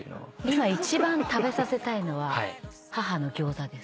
今一番食べさせたいのは母のギョーザです。